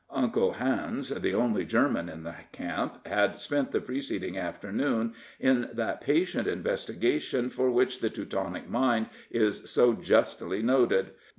Uncle Hans, the only German in the camp, had spent the preceding afternoon in that patient investigation for which the Teutonic mind is so justly noted.